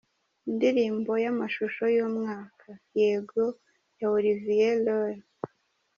Indirimbo y’amashusho y’umwaka: Yego ya Olivier Roy .